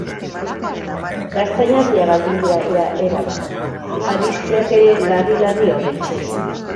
Gaztainadiak galdu dira ia erabat; hariztiak ere larri-larri oraintxe.